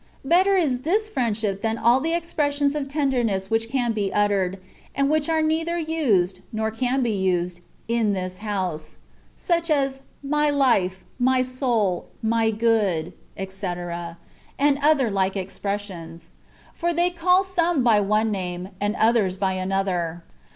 Better is this friendship than all the expressions of tenderness which can be uttered, and which are neither used, nor can be used, in this house; such as " My life, my soul, '* That is, at the &ult. 40 THE WAY OF PERFECTION. my good/^ fee, and other like expressions; for they call some by one name, and others by another.